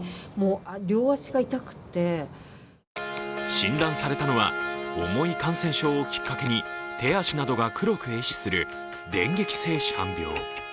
診断されたのは、重い感染症をきっかけに手足などが黒く壊死する電撃性紫斑病。